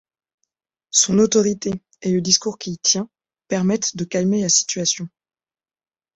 Son autorité et le discours qu'il tient permettent de calmer la situation.